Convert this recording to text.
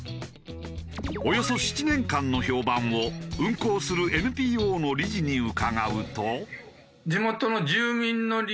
およそ７年間の評判を運行するＮＰＯの理事に伺うと。